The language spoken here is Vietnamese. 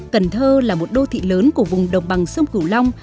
cần thơ là một đô thị lớn của vùng đồng bằng sông cửu long